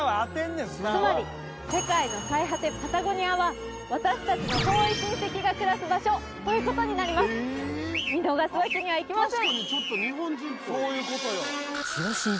つまり世界の最果てパタゴニアは私達の遠い親戚が暮らす場所ということになります見逃すわけにはいきません！